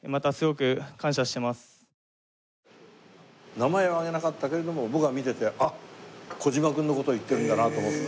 名前を挙げなかったけれども僕は見ててあっ小島君の事を言ってるんだなと思って。